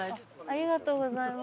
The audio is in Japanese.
ありがとうございます。